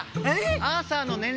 アーサーのねん